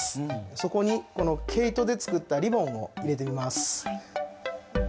そこにこの毛糸で作ったリボンを入れてみます。